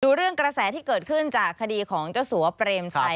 เรื่องกระแสที่เกิดขึ้นจากคดีของเจ้าสัวเปรมชัย